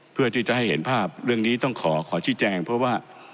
เพื่อที่จะให้เห็นภาพเรื่องนี้ต้องขอขอชี้แจงเพราะว่า